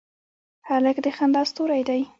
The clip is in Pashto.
هلک د خندا ستوری دی.